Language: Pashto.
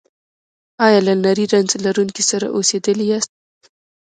ایا له نري رنځ لرونکي سره اوسیدلي یاست؟